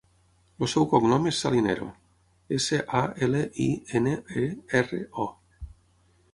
El seu cognom és Salinero: essa, a, ela, i, ena, e, erra, o.